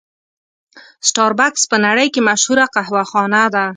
سټار بکس په نړۍ کې مشهوره قهوه خانه ده.